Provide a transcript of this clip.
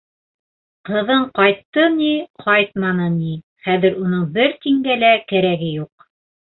Ҡыҙың ҡайтты ни, ҡайтманы ни, хәҙер уның бер тингә лә кәрәге юҡ.